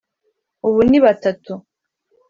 ubu ni batatu